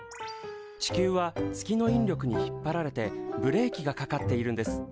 地球は月の引力に引っ張られてブレーキがかかっているんです。